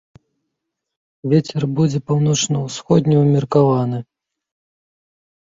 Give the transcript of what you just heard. Вецер будзе паўночна-ўсходні ўмеркаваны.